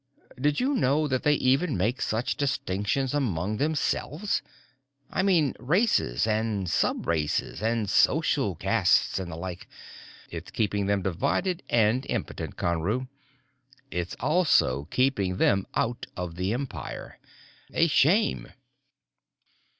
Did you know that they even make such distinctions among themselves? I mean races and sub races and social castes and the like; it's keeping them divided and impotent, Conru. It's also keeping them out of the Empire. A shame."